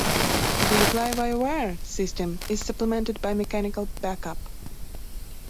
The fly-by-wire system is supplemented by mechanical backup.